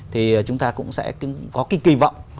thì chúng ta cũng sẽ có kỳ kỳ vọng